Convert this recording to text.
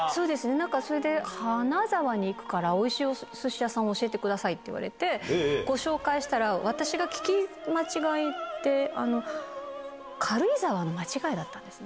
なんかそれで、金沢に行くからおいしいおすし屋さんを教えてくださいって言われて、ご紹介したら、私が聞き間違いで、軽井沢の間違いだったんですね。